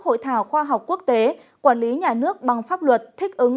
hội thảo khoa học quốc tế quản lý nhà nước bằng pháp luật thích ứng